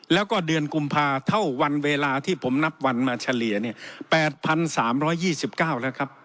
แล้วก็เดือนกุมภาเท่าวันเวลาที่ผมนับวันมาเฉลี่ยเนี่ยแปดพันสามร้อยยี่สิบเก้าแล้วครับ